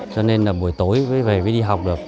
cho nên buổi tối mới về đi học được